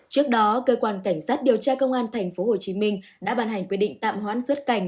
trước đó cơ quan cảnh sát điều tra công an tp hcm đã bàn hành quy định tạm hoãn xuất cảnh